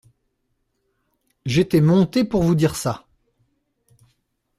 J'étais monté pour vous dire ça.